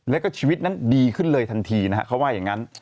แล้วก็ชีวิตนั้นดีขึ้นเลยทันทีนะฮะเขาว่าอย่างนั้น